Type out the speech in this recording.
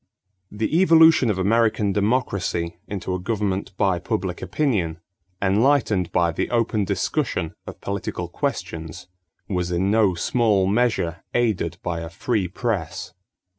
= The evolution of American democracy into a government by public opinion, enlightened by the open discussion of political questions, was in no small measure aided by a free press.